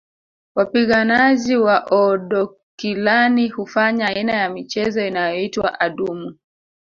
Wapiganaji wa Oodokilani hufanya aina ya michezo inayoitwa adumu